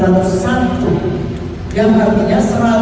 namun isinya masih sangat terlalu